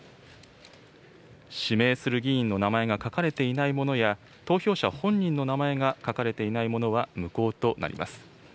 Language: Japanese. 指名する議員の名前が書かれていないものや、投票者本人の名前が書かれていないものは無効となります。